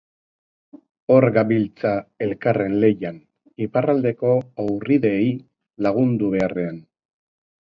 Hor gabiltza elkarren lehian, Iparraldeko haurrideei lagundu beharrean